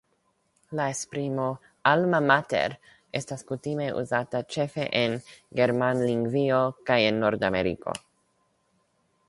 La esprimo "Alma mater" estas kutime uzata ĉefe en Germanlingvio kaj en Nordameriko.